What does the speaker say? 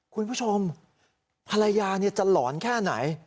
คุณผู้ชมภรรยาจะหลอนแค่ไหน